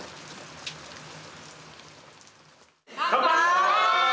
乾杯！